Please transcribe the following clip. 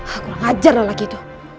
aku mengajar lelaki itu